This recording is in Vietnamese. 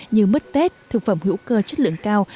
như mứt tết thực phẩm hữu cơ chất lượng cao